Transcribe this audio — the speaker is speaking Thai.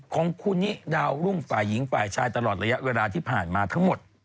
ของคุณนี่ดาวรุ่งฝ่ายหญิงฝ่ายชายตลอดระยะเวลาที่ผ่านมาทั้งหมด